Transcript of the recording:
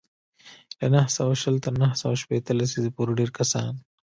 له نهه سوه شل تر نهه سوه شپېته لسیزې پورې ډېری کسان